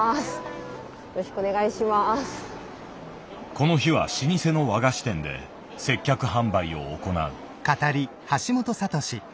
この日は老舗の和菓子店で接客販売を行う。